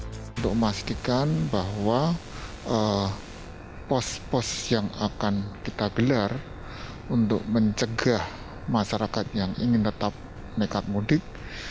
untuk memastikan bahwa pos pos yang akan kita gelar untuk mencegah masyarakat yang ingin tetap nekat mudik